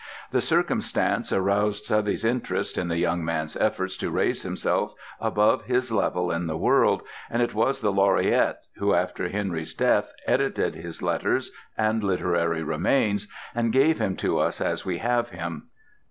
The circumstance aroused Southey's interest in the young man's efforts to raise himself above his level in the world and it was the laureate who after Henry's death edited his letters and literary remains, and gave him to us as we have him.